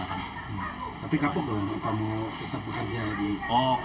tapi kamu belum kamu tetap bekerja di